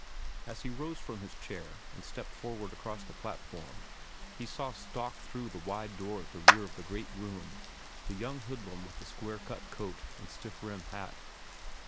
As he rose from his chair and stepped forward across the platform, he saw stalk through the wide door at the rear of the great room the young hoodlum with the square cut coat and stiff rim hat.